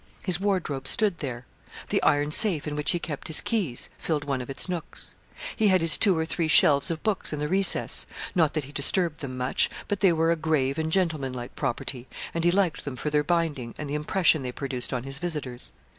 His wardrobe stood there. The iron safe in which he kept his keys, filled one of its nooks. He had his two or three shelves of books in the recess; not that he disturbed them much, but they were a grave and gentlemanlike property, and he liked them for their binding, and the impression they produced on his visitors.